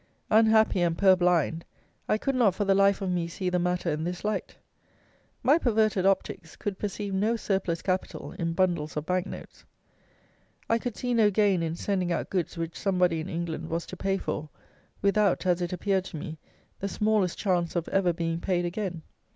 Unhappy and purblind, I could not for the life of me see the matter in this light. My perverted optics could perceive no surplus capital in bundles of bank notes. I could see no gain in sending out goods which somebody in England was to pay for, without, as it appeared to me, the smallest chance of ever being paid again.